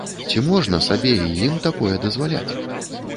Ці можна сабе і ім такое дазваляць?